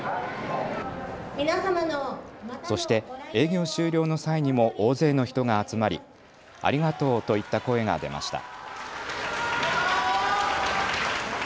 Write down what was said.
そして営業終了の際にも大勢の人が集まりありがとうといった声が出ました。